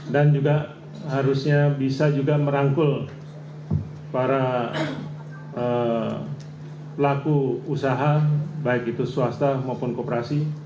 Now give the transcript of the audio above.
dan juga harusnya bisa juga merangkul para pelaku usaha baik itu swasta maupun koperasi